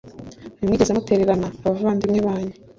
ntimwigeze mutererana abavandimwe banyu